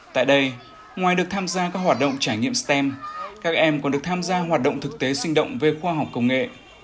tại đây ngoài được tham gia các hoạt động trải nghiệm stem các em còn được tham gia hoạt động thực tế sinh động về khoa học công nghệ